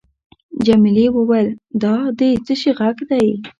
جميلې وويل:: دا د څه شي ږغ دی؟